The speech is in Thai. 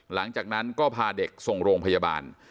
หลังจากนั้นก็พาเด็กส่งโรงพยาบาล